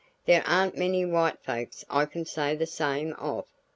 There aren't many white folks I can say the same of."